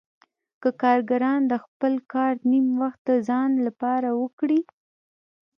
که کارګران د خپل کار نیم وخت د ځان لپاره وکړي